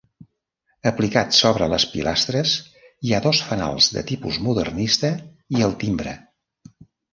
Aplicat sobre les pilastres hi ha dos fanals de tipus modernista i el timbre.